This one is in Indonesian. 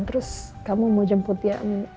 terus kamu mau jemput ya